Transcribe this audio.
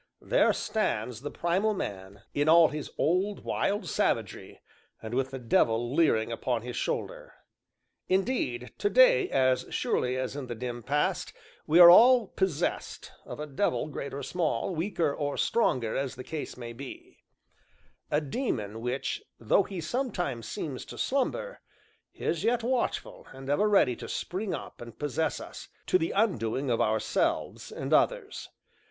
there stands the Primal Man in all his old, wild savagery, and with the devil leering upon his shoulder. Indeed, to day as surely as in the dim past, we are all possessed of a devil great or small, weaker or stronger as the case may be; a daemon which, though he sometimes seems to slumber, is yet watchful and ever ready to spring up and possess us, to the undoing of ourselves and others.